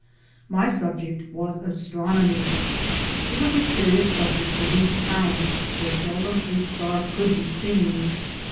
My subject was Astronomy. It was a curious subject for these towns where seldom a star could be seen.